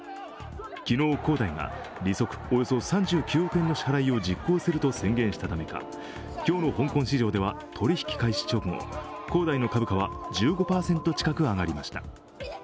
昨日、恒大が利息およそ３９億円の支払いを実行すると宣言したためか今日の香港市場では取引開始直後恒大の株価は１５％近く上がりました。